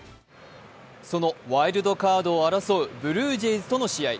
そのワイルドカードを争うブルージェイズとの試合。